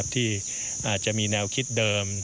ที่อาจจะมีแนวคิดเดิม